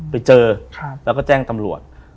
ไปเจอแจ้งตำรวจ